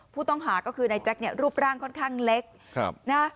ผู้ต้องหาก็คือนายแจ็คเนี่ยรูปร่างค่อนข้างเล็กนะ